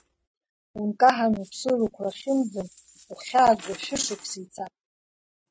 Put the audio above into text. Ункаҳан уԥсыр уқәрахьымӡан, ухьааго шәышықәса ицап.